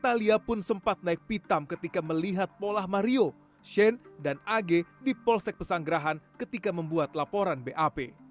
italia pun sempat naik pitam ketika melihat pola mario shane dan ag di polsek pesanggerahan ketika membuat laporan bap